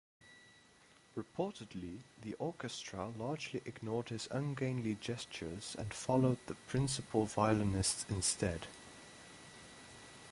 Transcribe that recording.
Reportedly, the orchestra largely ignored his ungainly gestures and followed the principal violinist instead.